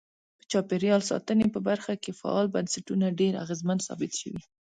په چاپیریال ساتنې په برخه کې فعال بنسټونه ډیر اغیزمن ثابت شوي.